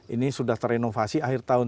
ini sudah terinovasi akhir tahun